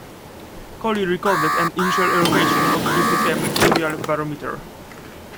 Collie recorded an initial elevation of using a mercurial barometer.